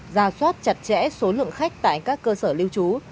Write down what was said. ra soát chặt chẽ số lượng khách tại các cơ sở lưu trú